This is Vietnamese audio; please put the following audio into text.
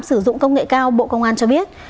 sử dụng công nghệ cao bộ công an cho biết